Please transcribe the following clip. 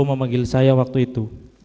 memanggil saya waktu itu